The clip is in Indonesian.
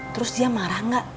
terus dia marah gak